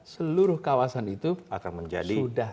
seluruh kawasan itu sudah